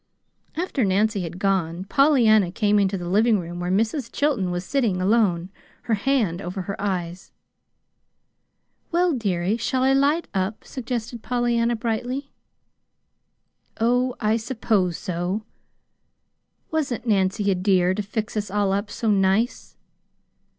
After Nancy had gone, Pollyanna came into the living room where Mrs. Chilton was sitting alone, her hand over her eyes. "Well, dearie, shall I light up?" suggested Pollyanna, brightly. "Oh, I suppose so." "Wasn't Nancy a dear to fix us all up so nice?"